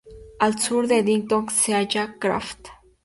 Al sur de Eddington se halla Krafft.